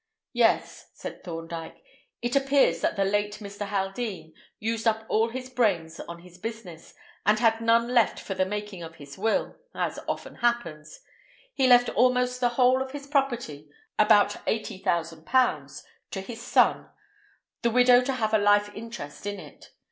"Yes," said Thorndyke. "It appears that the late Mr. Haldean used up all his brains on his business, and had none left for the making of his will—as often happens. He left almost the whole of his property—about eighty thousand pounds—to his son, the widow to have a life interest in it.